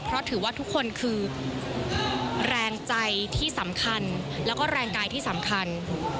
เพราะถือว่าทุกคนคือแรงใจที่สำคัญแล้วก็แรงกายที่สำคัญ